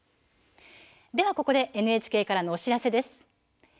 ここでＮＨＫからのお知らせです。